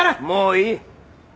もういい。